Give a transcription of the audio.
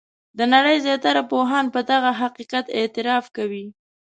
د نړۍ زیاتره پوهان په دغه حقیقت اعتراف کوي.